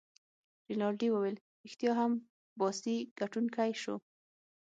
رینالډي وویل: ريښتیا هم، باسي ګټونکی شو.